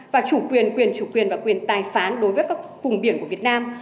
và chủ quyền quyền chủ quyền và quyền tài phán đối với các vùng biển của việt nam